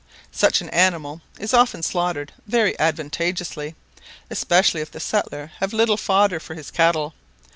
Such an animal is often slaughtered very advantageously, especially if the settler have little fodder for his cattle.